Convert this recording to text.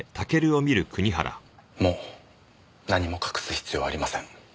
もう何も隠す必要はありません。